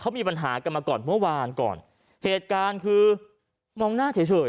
เขามีปัญหากันมาก่อนเมื่อวานก่อนเหตุการณ์คือมองหน้าเฉยเฉย